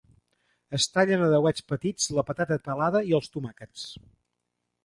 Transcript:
Es tallen a dauets petits la patata pelada i els tomàquets.